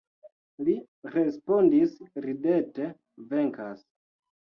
Li respondis ridete, venkas.